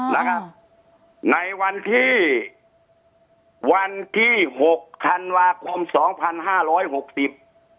นะครับในวันที่วันที่หกธันวาคมสองพันห้าร้อยหกสิบ